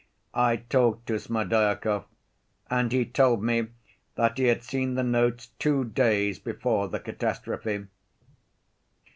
I talked to Smerdyakov, and he told me that he had seen the notes two days before the catastrophe.